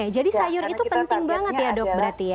jadi sayur itu penting banget ya dok berarti ya